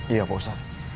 iya pak ustadz